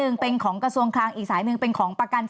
เเน็ตเน็ตครอบครัวเเน็ตเน็ตรอเซต